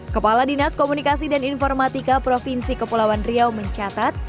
kepala dinas komunikasi dan informatika provinsi kepulauan riau mencatat